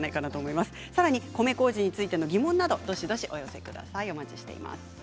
また米こうじについての疑問などどしどしお寄せください。